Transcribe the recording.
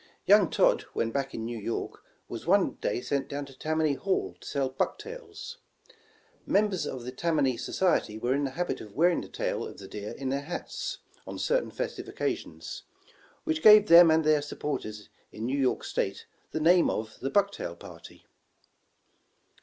Young Todd, when back in New York, was one day sent down to Tammany Hall to sell bucktails. Mem bers of the Tammany Society were in the habit of 122 Extending the Fur Trade wearing the tale of the deer in their hats, on certain fes tive occasions, which gave them and their supporters in New York State the name of the "Bucktail Party."